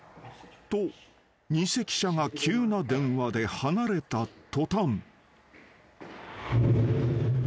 ［と偽記者が急な電話で離れた途端］